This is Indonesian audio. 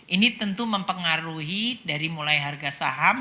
ini tentu mempengaruhi dari mulai harga saham